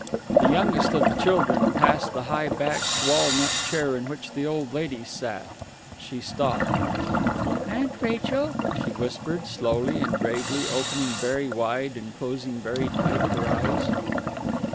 The youngest of the children passed the high backed walnut chair in which the old lady sat. She stopped. "Aunt Rachel " she whispered, slowly and gravely opening very wide and closing very tight her eyes.